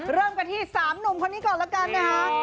เริ่มกันที่๓หนุ่มคนนี้ก่อนแล้วกันนะคะ